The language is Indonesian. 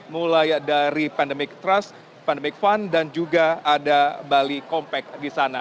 mulai dari pandemic trust pandemic fund dan juga ada bali compact di sana